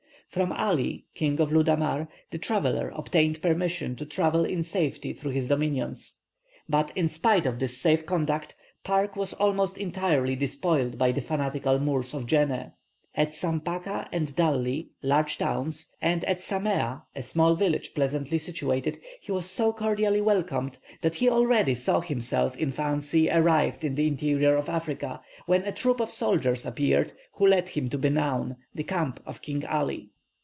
From Ali, King of Ludamar, the traveller obtained permission to travel in safety through his dominions. But, in spite of this safe conduct, Park was almost entirely despoiled by the fanatical Moors of Djeneh. At Sampaka and Dalli, large towns, and at Samea, a small village pleasantly situated, he was so cordially welcomed that he already saw himself in fancy arrived in the interior of Africa, when a troop of soldiers appeared, who led him to Benown, the camp of King Ali.